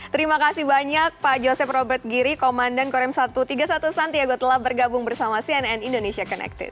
terima kasih banyak pak joseph robert giri komandan korem satu ratus tiga puluh satu santiago telah bergabung bersama cnn indonesia connected